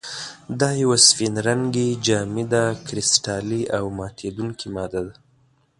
دا یوه سپین رنګې، جامده، کرسټلي او ماتیدونکې ماده ده.